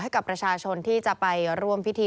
ให้กับประชาชนที่จะไปร่วมพิธี